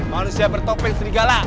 manusia bertopeng serigala